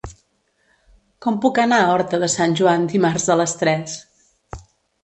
Com puc anar a Horta de Sant Joan dimarts a les tres?